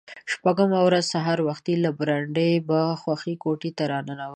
شپږمه ورځ سهار وختي له برنډې په خوښۍ کوټې ته را ننوت.